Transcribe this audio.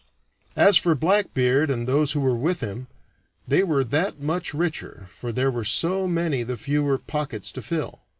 As for Blackbeard and those who were with him, they were that much richer, for there were so many the fewer pockets to fill.